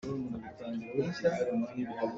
Mi hrokhrol a si.